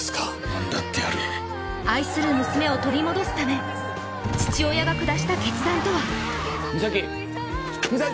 何だってやる愛する娘を取り戻すため父親が下した決断とは実咲実咲！